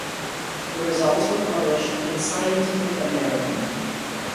The results were published in "Scientific American".